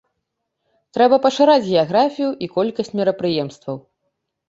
Трэба пашыраць геаграфію і колькасць мерапрыемстваў.